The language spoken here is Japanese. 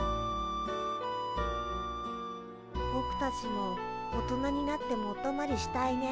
ぼくたちも大人になってもおとまりしたいね。